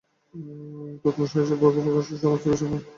তদনু সহসৈব ব্রহ্মপ্রকাশ সহ সমস্তবিষয়প্রধ্বংসৈঃ।